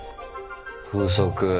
風速。